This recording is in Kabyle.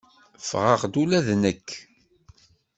Ffɣeɣ-d ula d nekk.